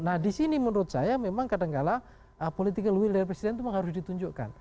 nah di sini menurut saya memang kadangkala political will dari presiden itu memang harus ditunjukkan